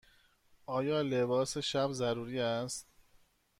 آیا لباس شب ضروری است؟